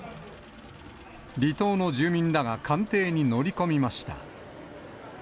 離島の住民らが艦艇に乗り込みました。